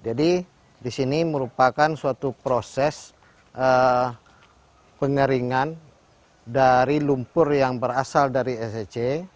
jadi di sini merupakan suatu proses pengeringan dari lumpur yang berasal dari sac